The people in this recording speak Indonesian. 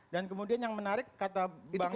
dan kemudian yang menarik kata bang jat